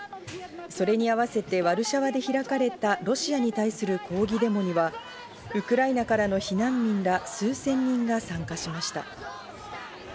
それに合わせてワルシャワで開かれたロシアに対する抗議デモにはウクライナからの避難民ら数千人が参加しました。